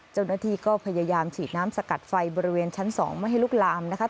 เจ้าหน้าที่ก็พยายามฉีดน้ำสกัดไฟบริเวณชั้น๒ไม่ให้ลุกลามนะคะ